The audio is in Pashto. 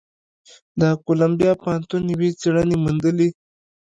د کولمبیا پوهنتون یوې څېړنې موندلې،